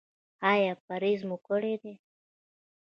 ایا پرهیز مو کړی دی؟